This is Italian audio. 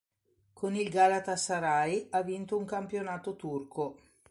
Con il Galatasaray ha vinto un campionato turco.